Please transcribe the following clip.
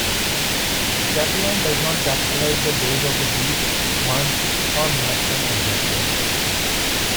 Catalan does not capitalize the days of the week, months, or national adjectives.